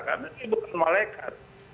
karena ini bukan melekat